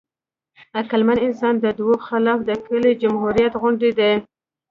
عقلمن انسان د دوی خلاف د کیلې جمهوریت غوندې دی.